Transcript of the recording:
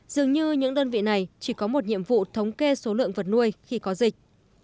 dường như những đơn vị này chỉ có một nhiệm vụ thống kê số lượng vật nuôi khi có dịch